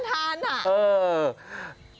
สีดูน่าทานค่ะ